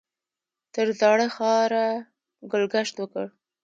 تر زاړه ښاره ګل ګشت وکړ.